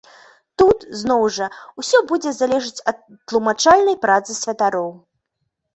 Тут, зноў жа, усё будзе залежыць ад тлумачальнай працы святароў.